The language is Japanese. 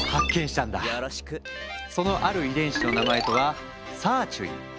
そのある遺伝子の名前とはサーチュイン。